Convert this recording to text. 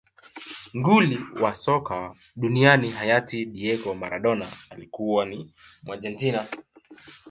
nguli wa soka duniani hayati diego maradona alikuwa ni muargentina